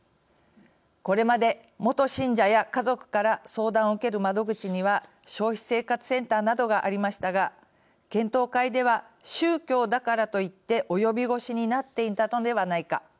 これまで、元信者や家族からいわゆる宗教２世から相談を受ける窓口には消費生活センターなどがありましたが検討会では宗教だからといって及び腰になっていたのではないか。